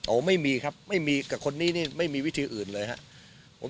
ไม่มีครับไม่มีกับคนนี้นี่ไม่มีวิธีอื่นเลยครับ